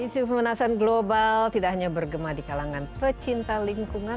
isu pemanasan global tidak hanya bergema di kalangan pecinta lingkungan